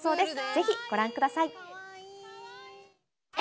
ぜひご覧ください。